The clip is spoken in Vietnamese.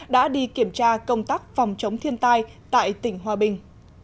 đã đi kiểm tra công tác phòng chống thiên tai tại tỉnh hòa bình